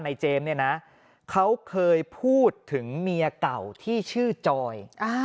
เจมส์เนี่ยนะเขาเคยพูดถึงเมียเก่าที่ชื่อจอย